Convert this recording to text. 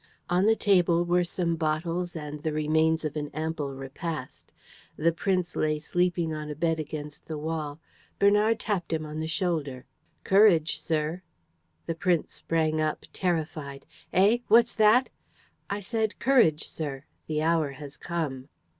On the table were some bottles and the remains of an ample repast. The prince lay sleeping on a bed against the wall. Bernard tapped him on the shoulder: "Courage, sir." The prisoner sprang up, terrified: "Eh? What's that?" "I said, courage, sir. The hour has come."